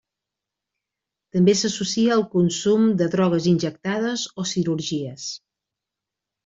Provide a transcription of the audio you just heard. També s'associa al consum de drogues injectades o cirurgies.